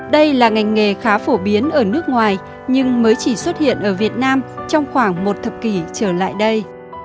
đây là ngành nghề khá phổ biến ở nước ngoài nhưng mới chỉ xuất hiện ở việt nam trong khoảng một thập kỷ trở lại đây